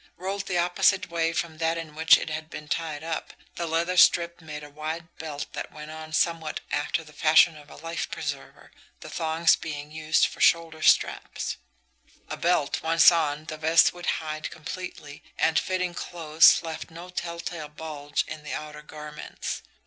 Rolled the opposite away from that in which it had been tied up, the leather strip made a wide belt that went on somewhat after the fashion of a life preserver, the thongs being used for shoulder straps a belt that, once on, the vest would hide completely, and, fitting close, left no telltale bulge in the outer garments.